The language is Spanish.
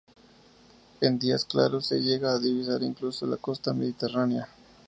En días claros se llega a divisar incluso la costa mediterránea.